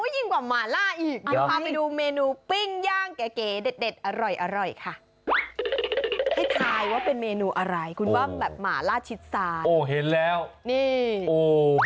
ยิ่งแบบปิ่งย่างหมาลาอะไรกันตาบิษณ์เนอร์